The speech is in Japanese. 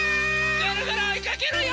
ぐるぐるおいかけるよ！